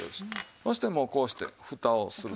そしてもうこうして蓋をする。